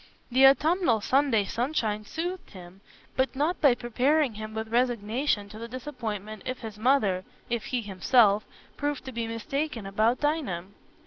The autumnal Sunday sunshine soothed him, but not by preparing him with resignation to the disappointment if his mother—if he himself—proved to be mistaken about Dinah.